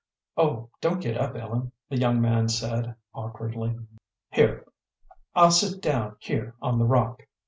"Oh, don't get up, Ellen," the young man said, awkwardly. "Here I'll sit down here on the rock."